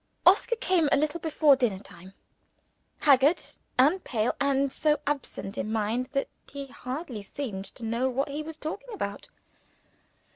Oscar came a little before dinner time; haggard and pale, and so absent in mind that he hardly seemed to know what he was talking about.